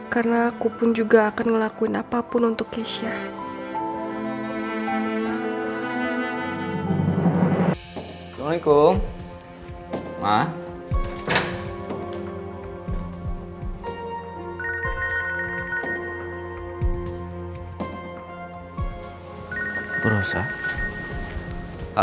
karena aku pun juga akan ngelakuin apapun untuk kisha